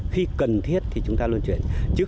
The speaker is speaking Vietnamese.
khi cần thiết thì chúng ta có thể làm được